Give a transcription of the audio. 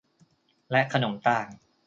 และขนมต่าง